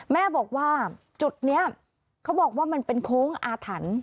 แม่บอกว่าจุดนี้เขาบอกว่ามันเป็นโค้งอาถรรพ์